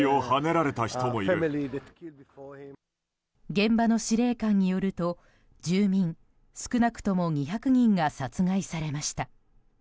現場の司令官によると住民少なくとも２００人が殺害されました。